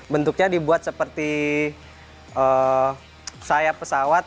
bentuknya dibuat seperti sayap pesawat